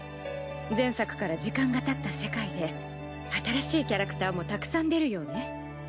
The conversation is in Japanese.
前作から時間がたった世界で新しいキャラクターもたくさん出るようね。